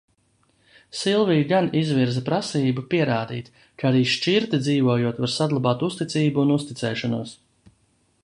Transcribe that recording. Silvija gan izvirza prasību, pierādīt, ka arī šķirti dzīvojot, var saglabāt uzticību un uzticēšanos.